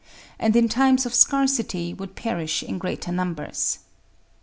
and in times of scarcity would perish in greater numbers.